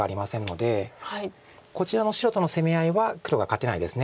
こちらの白との攻め合いは黒が勝てないです。